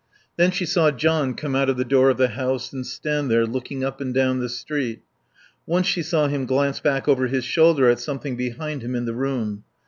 Then she saw John come out of the door of the house and stand there, looking up and down the street. Once she saw him glance back over his shoulder at something behind him in the room.